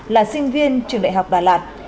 là sinh viên trường đại học đà lạt